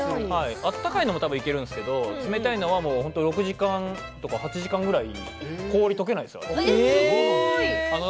温かいのもいけるんですけれど冷たいものは６時間とか８時間ぐらい氷が溶けないんですよ。